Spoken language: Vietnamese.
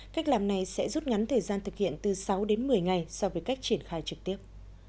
cách làm này sẽ rút ngắn thời gian thực hiện từ sáu đến một mươi ngày so với cách triển khai trực tiếp